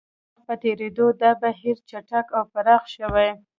د وخت په تېرېدو دا بهیر چټک او پراخ شوی.